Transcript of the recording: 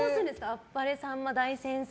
「あっぱれさんま大先生」